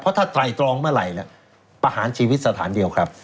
ถ้าไตรตรองเมื่อไหร่ประหารชีวิตสถานเดียวครับ